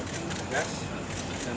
cara pengeluaran uang